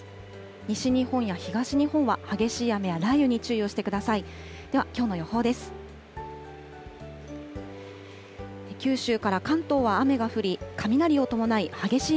西日本や東日本は、激しい雨や雷雨に注意をしてください。